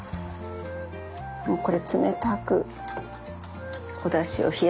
もうこれ冷たくおだしを冷やしてあります。